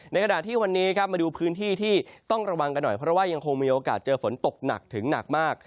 ขณะที่วันนี้ครับมาดูพื้นที่ที่ต้องระวังกันหน่อยเพราะว่ายังคงมีโอกาสเจอฝนตกหนักถึงหนักมาก